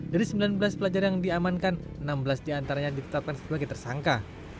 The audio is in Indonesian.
dari sembilan belas pelajar yang diamankan enam belas diantaranya ditetapkan sebagai tersangka